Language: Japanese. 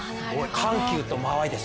緩急と間合いです